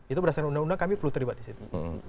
itu berdasarkan undang undang kami perlu terlibat di situ